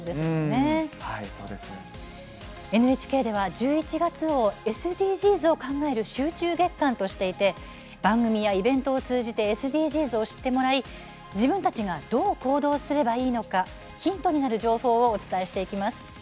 ＮＨＫでは１１月をＳＤＧｓを考える集中月間としていて番組やイベントを通じてＳＤＧｓを知ってもらい自分たちがどう行動すればいいのかヒントになる情報をお伝えしていきます。